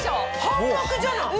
半額じゃない！